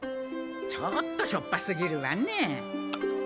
ちょっとしょっぱすぎるわね。